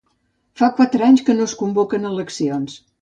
Fa quatre anys que no es convoquen eleccions.